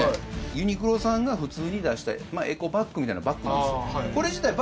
ユニクロさんが普通に出したエコバッグみたいなバッグなんです